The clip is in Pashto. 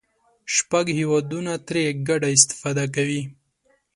شپږ هېوادونه ترې ګډه استفاده کوي.